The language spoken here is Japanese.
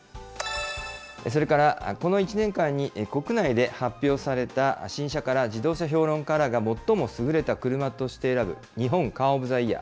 それから、この１年間に国内で発表された新車から自動車評論家らが最も優れた車として選ぶ、日本カー・オブ・ザ・イヤー。